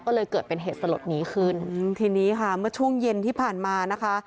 ก็เลยเกิดเป็นเหตุสลดนี้ขึ้นทีนี้ค่ะเมื่อช่วงเย็นที่ผ่านมานะคะ